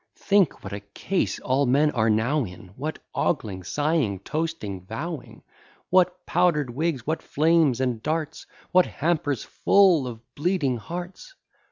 Think what a case all men are now in, What ogling, sighing, toasting, vowing! What powder'd wigs! what flames and darts! What hampers full of bleeding hearts!